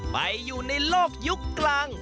ไปอยู่ในโลกยุคกลาง